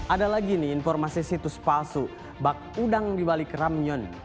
ada lagi nih informasi situs palsu bak udang dibalik ramyun